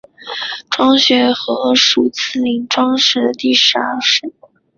庄学和属毗陵庄氏第十二世。